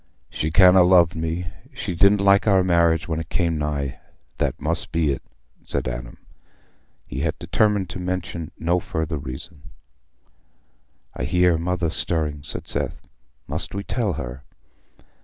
"She can't ha' loved me. She didn't like our marriage when it came nigh—that must be it," said Adam. He had determined to mention no further reason. "I hear Mother stirring," said Seth. "Must we tell her?"